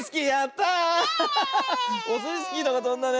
オスイスキーのがとんだね。